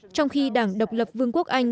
trong khi đảng độc lập vương quốc anh